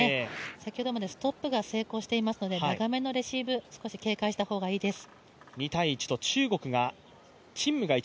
先ほどまでストップが成功していますので長めのレシーブ少し警戒した方がいいです。